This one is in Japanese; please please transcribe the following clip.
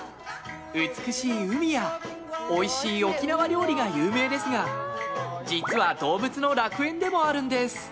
美しい海やおいしい沖縄料理が有名ですが実は動物の楽園でもあるんです。